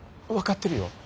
分かってるよ。